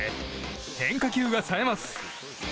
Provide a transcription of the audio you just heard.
変化球が冴えます。